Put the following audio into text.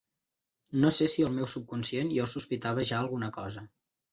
No sé si al meu subconscient jo sospitava ja alguna cosa.